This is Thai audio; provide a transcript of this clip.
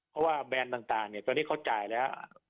เพราะว่าแบรนด์ต่างต่างเนี้ยตอนนี้เขาจ่ายแล้ว